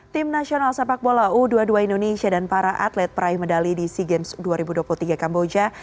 tim nasional sepak bola u dua puluh dua indonesia dan para atlet peraih medali di sea games dua ribu dua puluh tiga kamboja